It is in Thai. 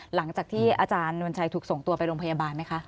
หลังจากที่อาจารย์นวลชัยถูกส่งตัวไปโรงพยาบาลไหมคะ